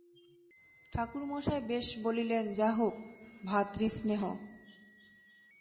ঠাকুরমশায় বেশ বলিলেন যা হোক, ভ্রাতৃস্নেহ!